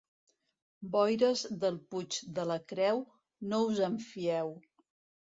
Boires del Puig de la Creu, no us en fieu.